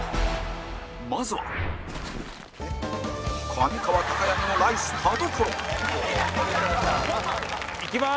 まずは上川隆也似のライス田所田所：いきまーす！